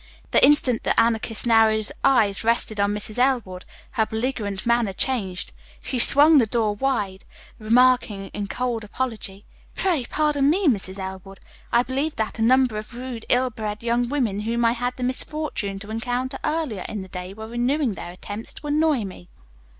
The instant the Anarchist's narrowed eyes rested on Mrs. Elwood her belligerent manner changed. She swung the door wide, remarking in cold apology; "Pray, pardon me, Mrs. Elwood. I believed that a number of rude, ill bred young women whom I had the misfortune to encounter earlier in the day were renewing their attempts to annoy me."